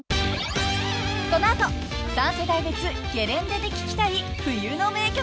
［この後３世代別ゲレンデで聴きたい冬の名曲］